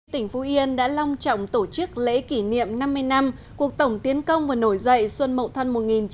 tỉnh phú yên đã long trọng tổ chức lễ kỷ niệm năm mươi năm cuộc tổng tiến công và nổi dậy xuân mậu thân một nghìn chín trăm bảy mươi